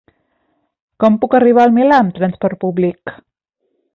Com puc arribar al Milà amb trasport públic?